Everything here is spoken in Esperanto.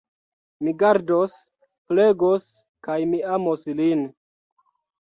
Mi gardos, flegos kaj mi amos lin.